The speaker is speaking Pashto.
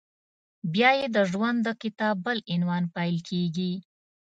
بیا یې د ژوند د کتاب بل عنوان پیل کېږي…